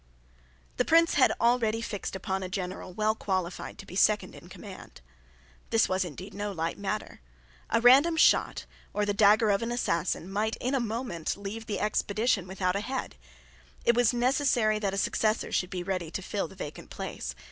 The Prince had already fixed upon a general well qualified to be second in command. This was indeed no light matter. A random shot or the dagger of an assassin might in a moment leave the expedition without a head. It was necessary that a successor should be ready to fill the vacant place.